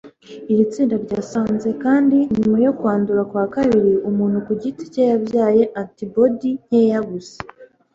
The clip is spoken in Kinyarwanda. Iri tsinda ryasanze kandi nyuma yo kwandura kwa kabiri, umuntu ku giti cye yabyaye antibodi nkeya gusa